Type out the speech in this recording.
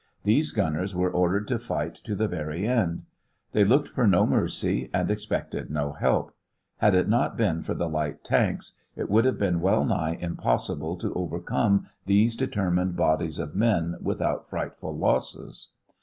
These gunners were ordered to fight to the very end. They looked for no mercy and expected no help. Had it not been for the light tanks, it would have been well nigh impossible to overcome these determined bodies of men without frightful losses.